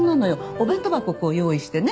お弁当箱を用意してね